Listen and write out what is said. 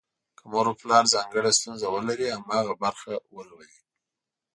که مور او پلار ځانګړې ستونزه ولري، هماغه برخه ولولي.